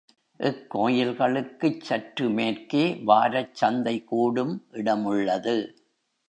இக் கோயில்களுக்குச் சற்று மேற்கே, வாரச் சந்தை கூடும் இடமுள்ளது.